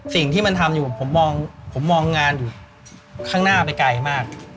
สิ่งที่มันทำอยู่ผมมองงานอยู่ข้างหน้าไปไกลมาก